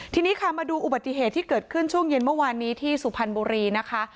ทีนี้ค่ะมาดูอุบัติเหตุที่เกิดขึ้นช่วงเย็นเมื่อวานนี้ที่สุพรรณบุรีนะคะ